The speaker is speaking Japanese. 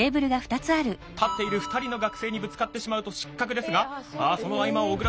立っている２人の学生にぶつかってしまうと失格ですがその合間を小倉さん